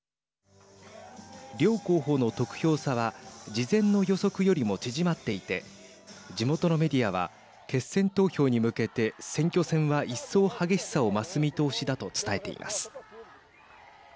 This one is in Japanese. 両候補の得票差は事前の予測よりも縮まっていて地元のメディアは決選投票に向けて選挙戦は一層激しさを増す見通しだと伝えています。